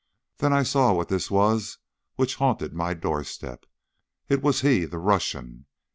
Then I saw what this was which haunted my doorstep. It was he, the Russian.